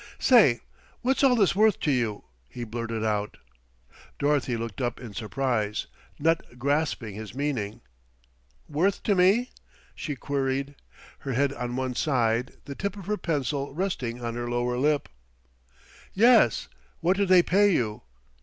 "Say, what's all this worth to you?" he blurted out. Dorothy looked up in surprise, not grasping his meaning. "Worth to me?" she queried, her head on one side, the tip of her pencil resting on her lower lip. "Yes; what do they pay you?"